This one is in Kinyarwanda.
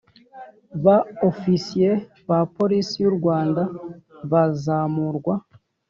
Ba Ofisiye ba Polisi y u Rwanda bazamurwa